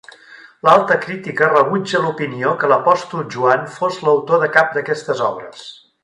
L'alta crítica rebutja l'opinió que l'apòstol Joan fos l'autor de cap d'aquestes obres.